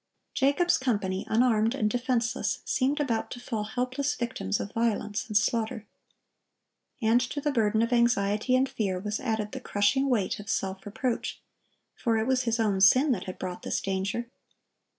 Jacob's company, unarmed and defenseless, seemed about to fall helpless victims of violence and slaughter. And to the burden of anxiety and fear was added the crushing weight of self reproach; for it was his own sin that had brought this danger.